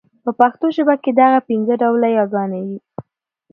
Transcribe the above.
په پښتو ژبه کي دغه پنځه ډوله يې ګاني